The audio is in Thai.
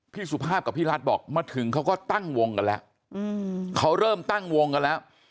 สุภาพกับพี่รัฐบอกมาถึงเขาก็ตั้งวงกันแล้วเขาเริ่มตั้งวงกันแล้ว